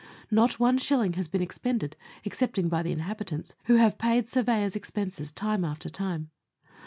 Not one shilling has been ex pended, excepting by the inhabitants, who have paid surveyors' expenses time after time.